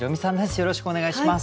よろしくお願いします。